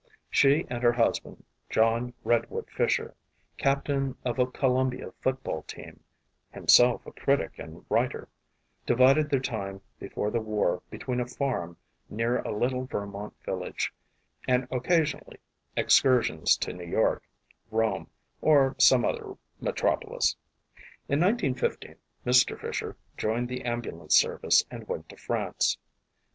She and her husband, John Redwood Fisher, captain of a Columbia football team, himself a critic and writer, divided their time before the war between a farm near a little Vermont village and occasional excursions to New York, Rome or some other metropolis. In 1915, Mr. Fisher joined the ambulance service and went to France.